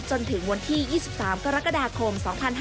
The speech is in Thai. จนถึงวันที่๒๓กรกฎาคม๒๕๕๙